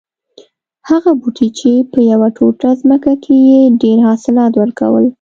هغه بوټی چې په یوه ټوټه ځمکه کې یې ډېر حاصلات ور کول